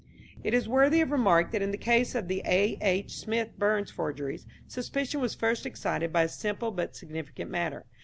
It is worthy of remark that in the case of the A. H. Smith Burns forgeries, suspicion was first excited by a simple but significant matter.